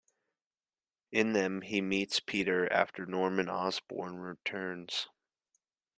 In them, he meets Peter after Norman Osborn returns.